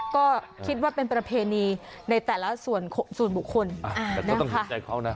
ก็คิดว่าเป็นประเพณีในแต่ละส่วนส่วนบุคคลแต่ก็ต้องเห็นใจเขานะ